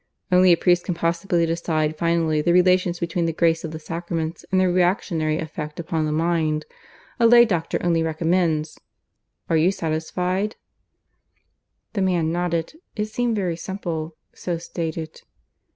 Only a priest can possibly decide finally the relations between the grace of the sacraments and their reactionary effect upon the mind. A lay doctor only recommends. Are you satisfied?" The man nodded. It seemed very simple, so stated.